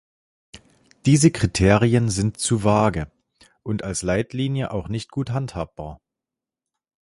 Diese Kriterien sind zu vage und als Leitlinie auch nicht gut handhabbar.